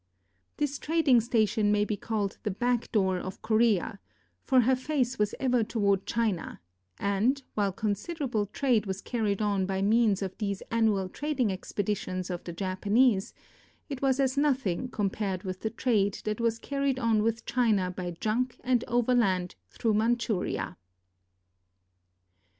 This trading station may be called the back door of Korea, for her face was ever toward China; and, while considerable trade was carried on by means of these annual trading expeditions of the Japanese, it was as nothing compared with the trade that was carried on with China by junk and overland through Manchuria.